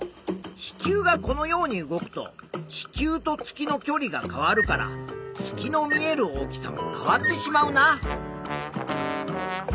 地球がこのように動くと地球と月のきょりが変わるから月の見える大きさも変わってしまうな。